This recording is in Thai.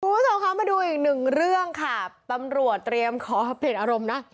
คุณผู้ชมคะมาดูอีกหนึ่งเรื่องค่ะตำรวจเตรียมขอเปลี่ยนอารมณ์นะ